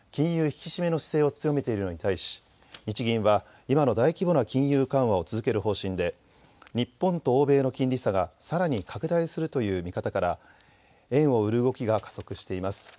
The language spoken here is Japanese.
引き締めの姿勢を強めているのに対し日銀は今の大規模な金融緩和を続ける方針で日本と欧米の金利差がさらに拡大するという見方から円を売る動きが加速しています。